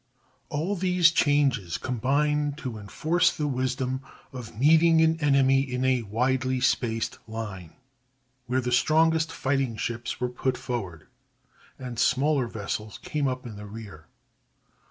All these changes combined to enforce the wisdom of meeting an enemy in a widely spaced line, where the strongest fighting ships were put forward, and smaller vessels came up in the rear.